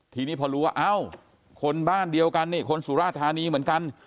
ทีนี้พอรู้ว่าเอ้าคนบ้านเดียวกันนี่คนสุราธานีเหมือนกัน